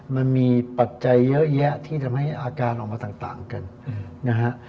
มันมีปัจจัยเยอะแยะที่ทำให้อาการออกมาต่างกันนะฮะ